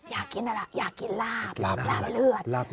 อยากกินอะไรล่ะอยากกินลาบลาบเลือด